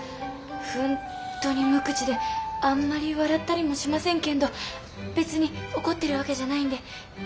本当に無口であんまり笑ったりもしませんけんど別に怒ってる訳じゃないんで。